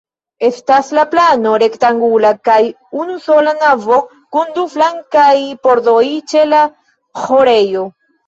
Estas de plano rektangula kaj unusola navo, kun du flankaj pordoj ĉe la ĥorejo.